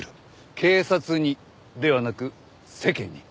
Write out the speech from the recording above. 警察にではなく世間に。